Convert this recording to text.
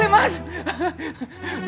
rumahnya besar banget